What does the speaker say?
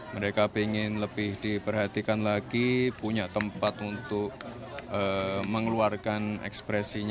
mereka ingin lebih diperhatikan lagi punya tempat untuk mengeluarkan ekspresinya